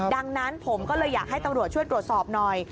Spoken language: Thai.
ดังนั้นผมก็เลยอยากให้ตำรวจช่วยตรวจสอบหน่อย